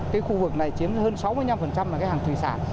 cái khu vực này chiếm hơn sáu mươi năm là cái hàng thủy sản